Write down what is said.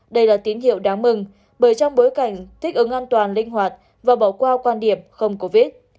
đây là tín hiệu đáng mừng bởi trong bối cảnh thích ứng an toàn linh hoạt và bỏ qua quan điểm không covid